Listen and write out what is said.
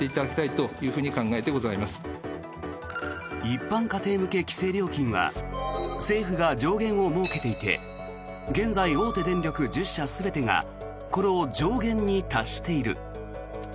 一般家庭向け規制料金は政府が上限を設けていて現在、大手電力１０社全てがこの上限に達している。